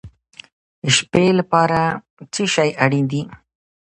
د شپې لپاره څه شی اړین دی؟